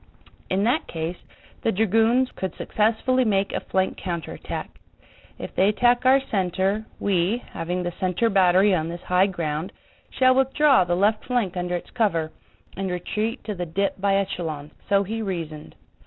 In that case the dragoons could successfully make a flank counterattack. If they attack our center we, having the center battery on this high ground, shall withdraw the left flank under its cover, and retreat to the dip by echelons." So he reasoned....